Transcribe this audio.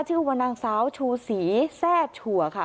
ชื่อว่านางสาวชูศรีแทร่ชัวร์ค่ะ